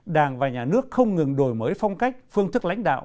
đảng và nhà nước không ngừng đổi mới phong cách phương thức lãnh đạo